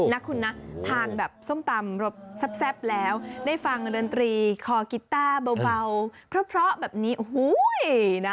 นะคุณนะทานแบบส้มตำรสแซ่บแล้วได้ฟังดนตรีคอกีต้าเบาเพราะแบบนี้โอ้โห